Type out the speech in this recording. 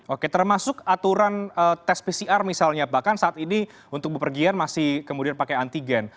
oke termasuk aturan tes pcr misalnya bahkan saat ini untuk bepergian masih kemudian pakai antigen